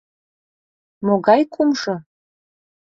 — Могай кумшо?